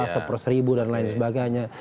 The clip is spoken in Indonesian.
seribu dan lain sebagainya